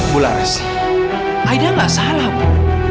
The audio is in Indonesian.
bu lars aida tidak salah bu